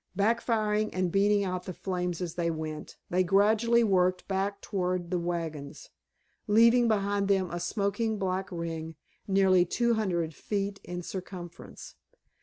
Back firing and beating out the flames as they went, they gradually worked back toward the wagons, leaving behind them a smoking black ring nearly two hundred feet in circumference.